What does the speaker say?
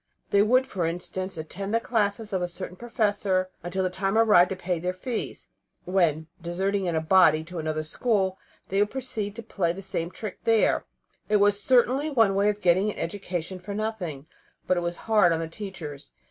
They would, for instance, attend the classes of a certain professor until the time arrived to pay their fees, when, deserting in a body to another school, they would proceed to play the same trick there. It was certainly one way of getting an education for nothing, but it was hard on the teachers.